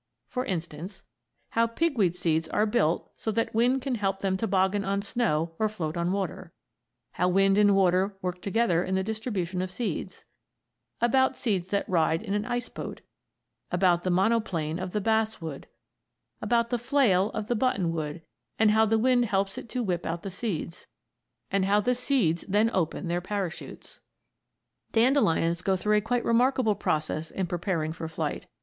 For instance: How pigweed seeds are built so that wind can help them toboggan on snow or float on water; How wind and water work together in the distribution of seeds; About seeds that ride in an ice boat; About the monoplane of the basswood; About the "flail" of the buttonwood, and how the wind helps it to whip out the seeds; and how the seeds then open their parachutes. Dandelions go through quite a remarkable process in preparing for flight.